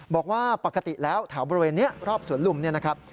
บอกว่าปกติแล้วแถวบริเวณนี้รอบสวนลุมเนี่ยนะครับ